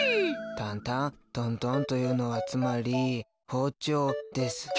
タンタントントンというのはつまりほうちょうです。